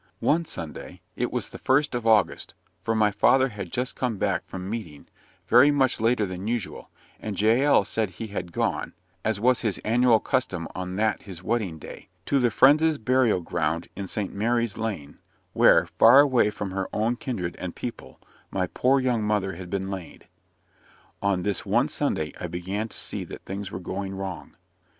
One Sunday it was the 1st of August, for my father had just come back from meeting, very much later than usual, and Jael said he had gone, as was his annual custom on that his wedding day, to the Friends' burial ground in St. Mary's Lane, where, far away from her own kindred and people, my poor young mother had been laid, on this one Sunday I began to see that things were going wrong.